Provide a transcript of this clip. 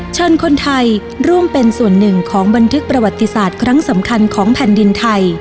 เชิญคนไทยร่วมเป็นส่วนหนึ่งของบันทึกประวัติศาสตร์ครั้งสำคัญของแผ่นดินไทย